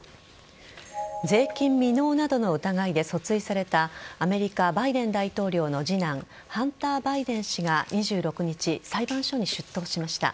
税金未納などの疑いで訴追されたアメリカ・バイデン大統領の次男ハンター・バイデン氏が２６日裁判所に出頭しました。